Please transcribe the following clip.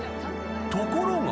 ところが］